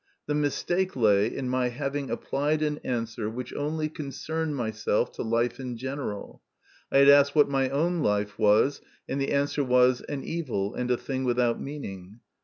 The mistake lay in my having applied an answer which only concerned myself to life in general. I had asked what my own life was, and the answer was, an evil and a thing without meaning.